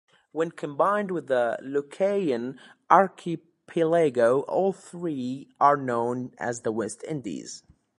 When combined with the Lucayan Archipelago, all three are known as the West Indies.